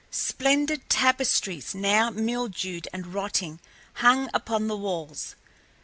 Splendid tapestries, now mildewed and rotting, hung upon the walls.